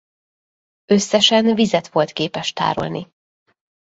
Összesen vizet volt képes tárolni.